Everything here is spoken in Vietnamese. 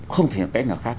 không thể có cách nào khác